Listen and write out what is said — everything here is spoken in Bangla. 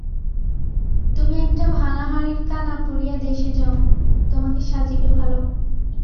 তুমি একটা ভাঙা হাঁড়ির কানা পরিয়া দেশে যাও, তোমাকে সাজিবে ভালো।